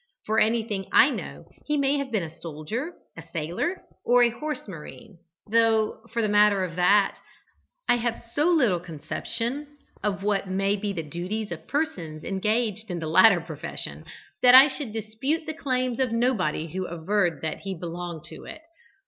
For anything I know, he may have been a soldier, a sailor, or a horse marine; though, for the matter of that, I have so little conception of what may be the duties of persons engaged in the latter profession, that I should dispute the claims of nobody who averred that he had belonged to it.